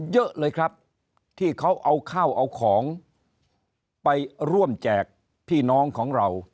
เยอะเลยครับที่เขาเอาข้าวเอาของไปร่วมแจกพี่น้องของเรา